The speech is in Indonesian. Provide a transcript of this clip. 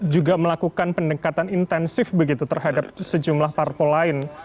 juga melakukan pendekatan intensif begitu terhadap sejumlah parpol lain